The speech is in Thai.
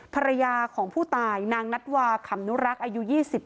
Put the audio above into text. ภรรยาของผู้ตายนางนัดวาขำนุรักษ์อายุ๒๗